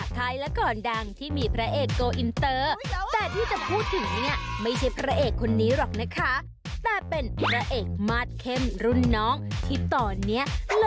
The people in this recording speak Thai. โปรดติดตามตอนต่อไป